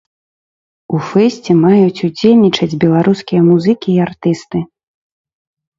У фэсце маюць удзельнічаць беларускія музыкі і артысты.